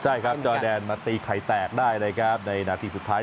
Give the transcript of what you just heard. ใช่ครับจอแดนมาตีไข่แตกได้เลยครับในนาทีสุดท้าย